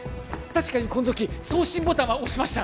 確かにこの時送信ボタンは押しました